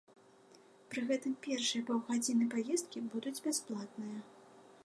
Пры гэтым першыя паўгадзіны паездкі будуць бясплатныя.